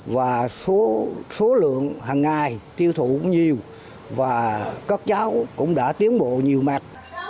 và số lượng hàng ngày tiêu thụ cũng nhiều và các cháu cũng đã tiến bộ nhiều mặt